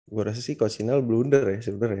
gue rasa sih coach inal blunder ya sebenernya